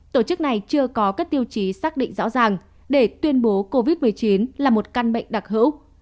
tổ chức này chưa có các tiêu chí xác định rõ ràng để tuyên bố covid một mươi chín là một căn bệnh đặc hữu